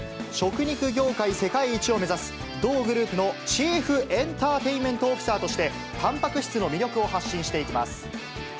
食肉業界世界一を目指す、同グループのチーフ・エンターテインメント・オフィサーとして、たんぱく質の魅力を発信していきます。